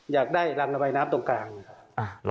อยากได้รางละบายน้ำตรงกลางนะครับ